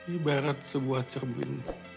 ibarat sebuah cermin